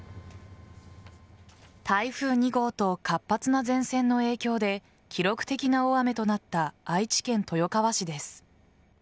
台風２号と活発な前線の影響で記録的な大雨となった愛知県豊川市です。